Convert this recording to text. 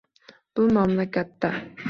Bu mamlakatda